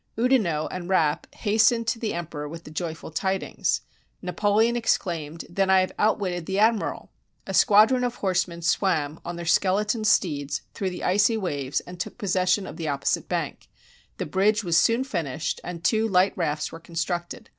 Oudinot and Rapp hastened to the emperor with the joyful tidings. Napoleon exclaimed, "Then I have out witted the admiral!" A squadron of horsemen swam, on their skeleton steeds, through the icy waves, and took possession of the opposite bank. The bridge was soon finished, and two light rafts were constructed.